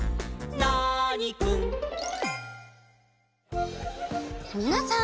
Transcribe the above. ナーニくん」みなさん。